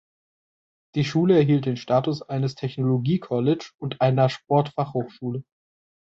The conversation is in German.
Die Schule erhielt den Status eines Technology College und einer Sportfachhochschule.